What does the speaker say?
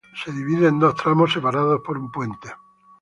Se divide en dos tramos separados por un puente.